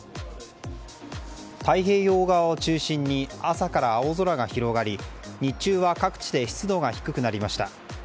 太平洋側を中心に朝から青空が広がり日中は各地で湿度が低くなりました。